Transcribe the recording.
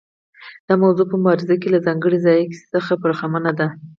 دا موضوع په مبارزه کې له ځانګړي ځایګي څخه برخمنه ده.